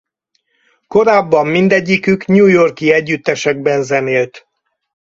Korábban mindegyikük New York-i együttesekben zenélt.